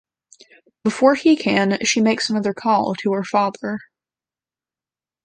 Before he can, she makes another call, to her father.